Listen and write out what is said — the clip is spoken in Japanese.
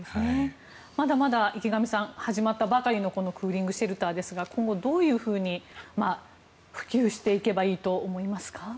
まだまだ池上さん始まったばかりのこのクーリングシェルターですが今後どういうふうに普及していけばいいと思いますか？